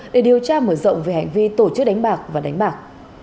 để điều tra mở rộng về hành vi tổ chức đánh bạc và đánh bạc